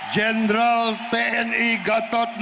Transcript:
jendral tni gatot notaris